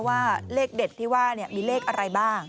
ว่าเลขเด็ดที่ว่ามีเลขอะไรบ้าง